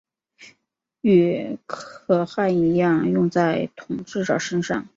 与可汗一样用在统治者身上。